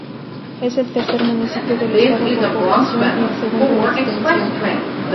Es el tercer municipio del estado por población y el segundo en extensión.